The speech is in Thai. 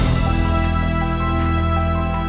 โค้กโค้กโค้กโค้ก